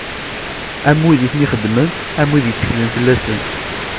Am wid i ten-ixedmen, am wid yettkalen fell-asen.